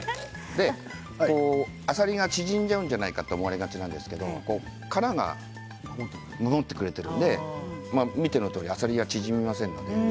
あさりが縮んじゃうんじゃないかと思われがちなんですけど殻が守ってくれているので見てのとおりあさりは縮みません。